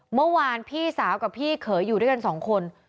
เมื่อวานพี่สาวกับพี่เขยอยู่ด้วยกันสองคน